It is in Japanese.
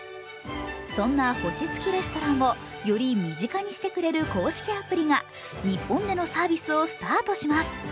そんな星付きレストランをより身近にしてくれる、公式アプリが日本でのサービスをスタートします。